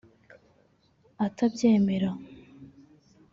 atabyemera